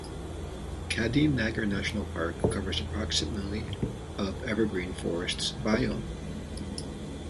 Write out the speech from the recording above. Khadim Nagar National Park covers approximately of evergreen forests Biome.